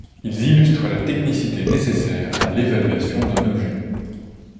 Ils illustrent la technicité nécessaire à l'évaluation d'un objet.